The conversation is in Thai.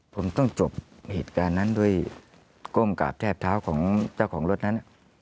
ผมต้องจบเหตุการณ์นั้นด้วยก้มกราบแทบเท้าของเจ้าของรถนั้น